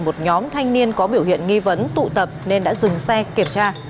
một nhóm thanh niên có biểu hiện nghi vấn tụ tập nên đã dừng xe kiểm tra